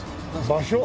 「場所」？